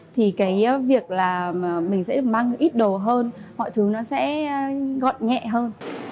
thì việc mình sẽ mang ít đồ hơn mọi thứ sẽ gọn nhẹ hơn